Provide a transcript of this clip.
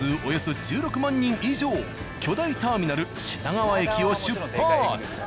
およそ１６万人以上巨大ターミナル品川駅を出発！